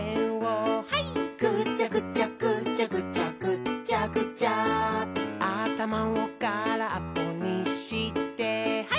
「ぐちゃぐちゃぐちゃぐちゃぐっちゃぐちゃ」「あたまをからっぽにしてハイ！」